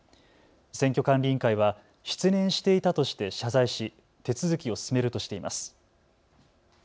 選挙管理委員会は失念していたとして謝罪し手続きを進めるとしています。